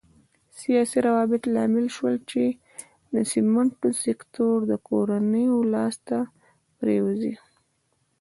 سیاسي روابط لامل شول چې سمنټو سکتور د کورنیو لاس ته پرېوځي.